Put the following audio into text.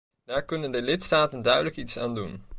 Daar kunnen de lidstaten duidelijk iets aan doen.